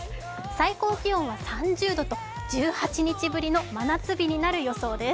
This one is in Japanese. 最高気温は３０度と、１８日ぶりの真夏日になる予想です。